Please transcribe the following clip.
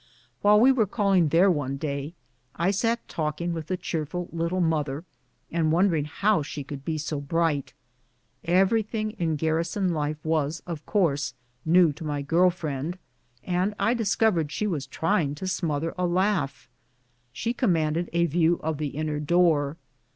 While we were calling there one day, I sat talking with the cheerful little mother, and wondering how she could be so briglit. Everything in garrison life was, of course, new to my girl friend, and I discovered she was trying to smother a lauo^h. She commanded a view of the in ner door.